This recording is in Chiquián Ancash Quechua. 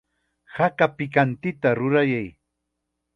Haka pikantita rurayay.